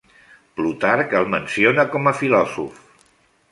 Plutarc el menciona com a filòsof.